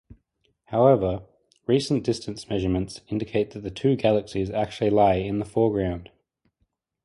However, recent distance measurements indicate that the two galaxies actually lie in the foreground.